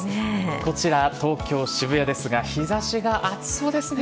こちら東京・渋谷ですが日差しが暑そうですね。